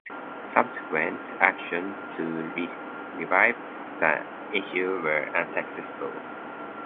Subsequent actions to revive the issue were unsuccessful.